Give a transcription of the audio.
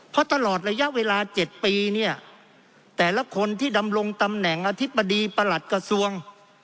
เพราะตลอดระยะเวลา๗ปีเนี่ยแต่ละคนที่ดำรงตำแหน่งอธิบดีประหลัดกระทรวง